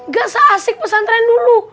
gak se asik pesantren dulu